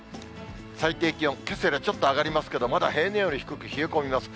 最低気温、けさよりはちょっと上がりますけど、まだ平年より低く、冷え込みます。